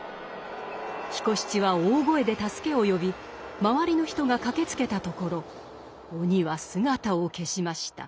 彦七は大声で助けを呼び周りの人が駆けつけたところ鬼は姿を消しました。